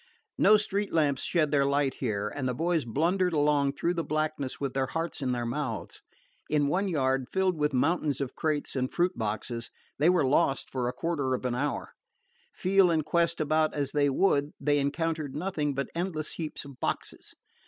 No street lamps shed their light here, and the boys blundered along through the blackness with their hearts in their mouths. In one yard, filled with mountains of crates and fruit boxes, they were lost for a quarter of an hour. Feel and quest about as they would, they encountered nothing but endless heaps of boxes.